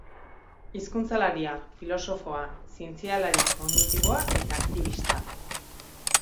Hizkuntzalaria, filosofoa, zientzialari kognitiboa eta aktibista.